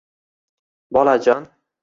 Bolajon